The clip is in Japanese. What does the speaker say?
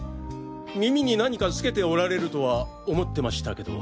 耳に何か付けておられるとは思ってましたけど。